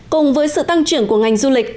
cùng với sự tăng trưởng của ngành du lịch